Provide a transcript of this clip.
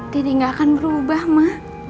dede gak akan berubah ma